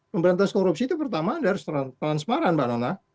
pemberantasan korupsi itu pertama dia harus transparan mbak nona